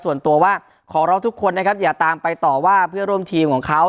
ส่วนตัวว่าขอร้องทุกคนนะครับอย่าตามไปต่อว่าเพื่อร่วมทีมของเขา